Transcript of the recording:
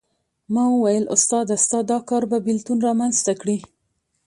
ما وویل استاده ستا دا کار به بېلتون رامېنځته کړي.